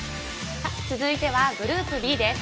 続いてはグループＢです。